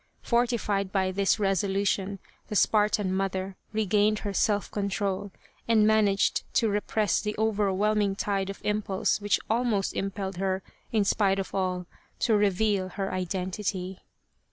Fortified by this resolution, the Spartan mother regained her self control and managed to repress the overwhelming tide of impulse which almost impelled her, in spite of all, to reveal her identity.